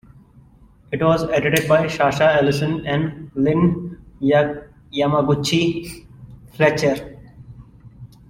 It was edited by Sasha Alyson and Lynne Yamaguchi Fletcher.